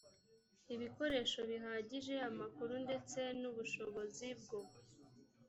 ibikoresho bihagije amakuru ndetse n ubushobozi bwo